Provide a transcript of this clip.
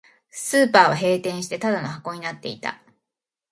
スーパーは閉店して、ただの箱になっていた